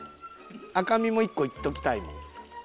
赤身も１個いっておきたいもん。